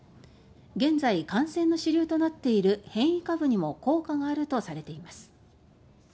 現在、感染の主流となっている変異株にも効果があるとされています。